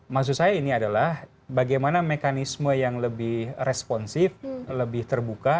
maksud saya ini adalah bagaimana mekanisme yang lebih responsif lebih terbuka